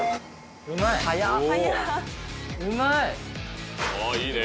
うまい！